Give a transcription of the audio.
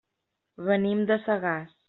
Venim de Sagàs.